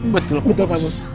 betul pak bos